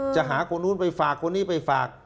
จะหาคนนู้นไปฝากคนนี้ไปฝาก